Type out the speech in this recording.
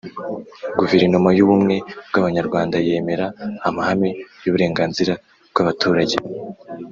guverinoma y'ubumwe bw'abanyarwanda yemera amahame y'uburenganzira bw'abaturage